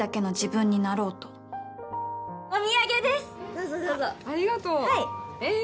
どうぞどうありがとうええー